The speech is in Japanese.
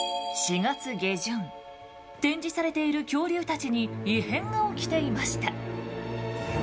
展示されている恐竜たちに異変が起きていました。